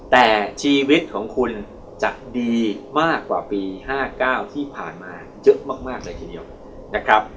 แต่ชีวิตของคุณจะดีมากกว่าปี๕๙ที่ผ่านมาเยอะมากเลยทีเดียวนะครับ